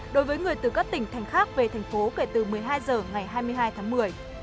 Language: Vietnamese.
đối với người từ các tỉnh thành khác về thành phố kể từ một mươi hai h ngày hai mươi hai tháng một mươi